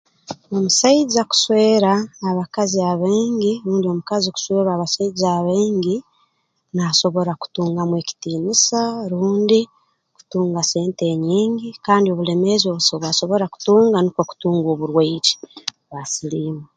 Omusaija kuswera abakazi abaingi rundi omukazi kuswerwa abasaija abaingi naasobora kutungamu ekitiinisa rundi kutunga sente enyingi kandi obuleemezi obu obwasobora kutunga nukwo kutunga oburwaire bwa siliimu